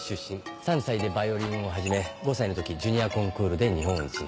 ３歳でヴァイオリンを始め５歳の時ジュニアコンクールで日本一に。